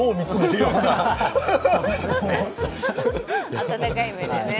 温かい目でね。